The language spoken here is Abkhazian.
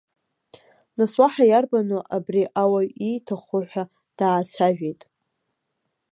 Нас уаҳа иарбану абри ауаҩ ииҭаху ҳәа даацәажәеит.